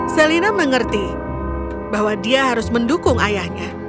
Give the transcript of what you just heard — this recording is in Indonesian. selina mengerti bahwa dia harus mendukung ayahnya